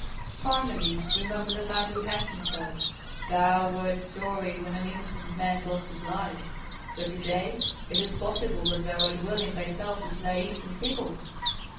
"Finally, remember that man who hanged himself; thou wert sorry when an innocent man lost his life. But to day is it possible that thou art willing thyself to slay innocent people?"